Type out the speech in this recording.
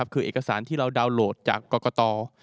คือเอกสารที่เราดาวน์โหลดจากกรกต